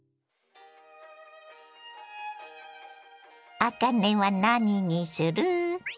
あかねは何にする？